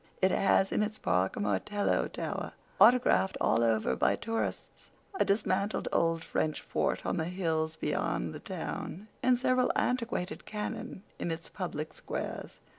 It has in its park a martello tower, autographed all over by tourists, a dismantled old French fort on the hills beyond the town, and several antiquated cannon in its public squares.